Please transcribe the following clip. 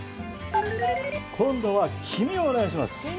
今度は、黄身をお願いします。